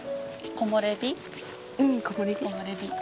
木漏れ日。